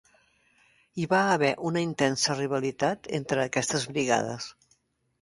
Hi va haver una intensa rivalitat entre aquestes brigades.